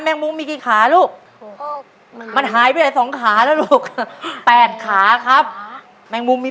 งมุมมีกี่ขาลูกมันหายไปสองขาแล้วลูกแปดขาครับแมงมุมมี